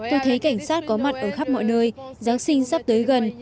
tôi thấy cảnh sát có mặt ở khắp mọi nơi giáng sinh sắp tới gần